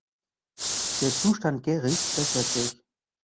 Der Zustand Garys bessert sich.